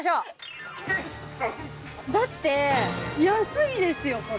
だって安いですよ